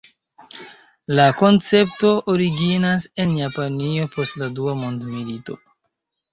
La koncepto originas en Japanio post la Dua Mondmilito.